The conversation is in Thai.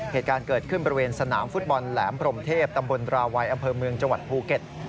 เหตุการณ์เกิดขึ้นบริเวณสนามฟุตบอลแหลมพรมเทพตำบลราวัยอำเภอเมืองจังหวัดภูเก็ต